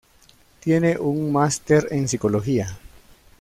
Tiene un máster en psicología.